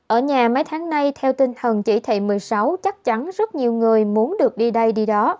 ở nhà mấy tháng nay theo tinh thần chỉ thị một mươi sáu chắc chắn rất nhiều người muốn được đi đây đi đó